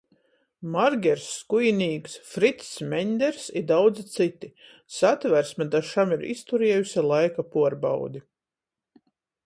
Margers Skujinīks, Frics Meņders i daudzi cyti. Satversme da šam ir izturiejuse laika puorbaudi.